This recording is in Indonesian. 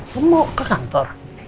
kamu ke kantor